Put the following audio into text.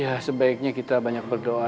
ya sebaiknya kita banyak berdoa